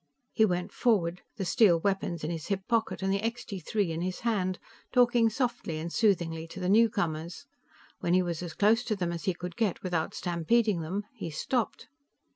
He went forward, the steel weapons in his hip pocket and the Extee Three in his hand, talking softly and soothingly to the newcomers. When he was as close to them as he could get without stampeding them, he stopped.